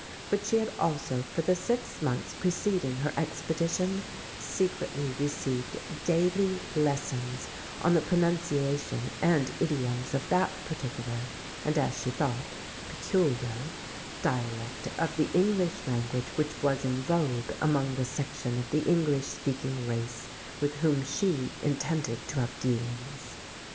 But she had also, for the six months preceding her expedition, secretly received daily lessons on the pronunciation and idioms of that particular (and, as she thought, peculiar) dialect of the English language which was in vogue among the section of the English speaking race with whom she intended to have dealings.